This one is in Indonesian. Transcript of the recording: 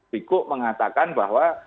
pikuk mengatakan bahwa